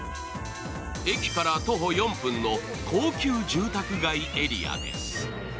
駅から徒歩４分の高級住宅街エリアです。